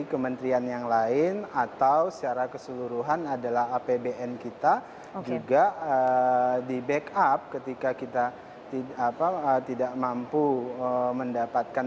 kementerian yang lain atau secara keseluruhan adalah apbn kita juga di backup ketika kita tidak mampu mendapatkan